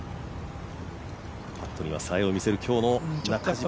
パットにはさえを見せる、今日の中島。